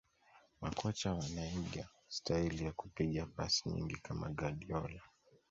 Makocha wanaiga staili ya kupiga pasi nyingi kama Guardiola